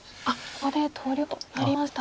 ここで投了となりました。